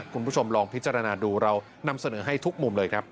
คุณผู้ชมลองพิจารณาดูเรานำเสนอให้ทุกมุมเลยครับ